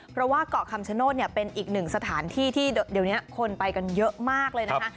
เพราะว่าเกาะคำชโนธเป็นอีกหนึ่งสถานที่ที่เดี๋ยวนี้คนไปกันเยอะมากเลยนะคะ